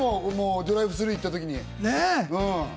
ドライブスルー行った時に。